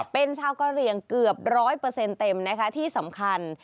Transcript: เป็นชาวกะเหลี่ยงเกือบร้อยเปอร์เซ็นต์เต็มนะคะที่สำคัญ